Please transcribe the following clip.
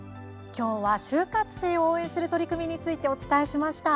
きょうは就活生を応援する取り組みについてお伝えしました。